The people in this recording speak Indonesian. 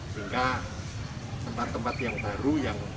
sehingga tempat tempat yang baru yang